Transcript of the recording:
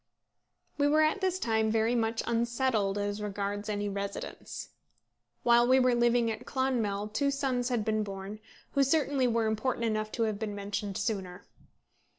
We were at this time very much unsettled as regards any residence. While we were living at Clonmel two sons had been born, who certainly were important enough to have been mentioned sooner.